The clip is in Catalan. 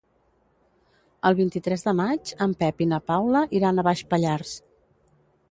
El vint-i-tres de maig en Pep i na Paula iran a Baix Pallars.